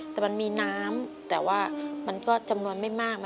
แต่มันมีน้ำแต่ว่ามันก็จำนวนไม่มาก